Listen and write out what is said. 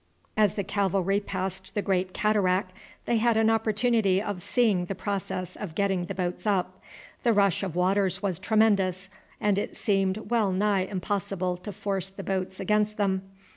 ] As the cavalry passed the Great Cataract they had an opportunity of seeing the process of getting the boats up. The rush of waters was tremendous, and it seemed well nigh impossible to force the boats against them.